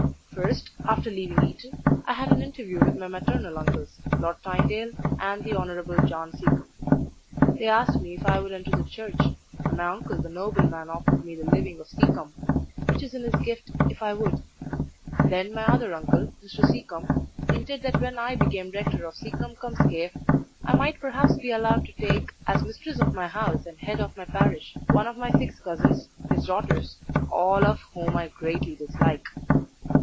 "First, after leaving Eton, I had an interview with my maternal uncles, Lord Tynedale and the Hon. John Seacombe. They asked me if I would enter the Church, and my uncle the nobleman offered me the living of Seacombe, which is in his gift, if I would; then my other uncle, Mr. Seacombe, hinted that when I became rector of Seacombe cum Scaife, I might perhaps be allowed to take, as mistress of my house and head of my parish, one of my six cousins, his daughters, all of whom I greatly dislike.